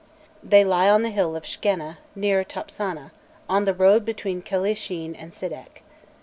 They lie on the hill of Shkenna, near Topsanâ, on the road between Kelishin and Sidek.